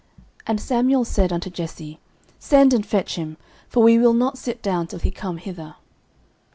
And Samuel said unto Jesse, Send and fetch him: for we will not sit down till he come hither.